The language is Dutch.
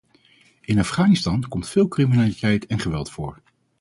In Afghanistan komt veel criminaliteit en geweld voor.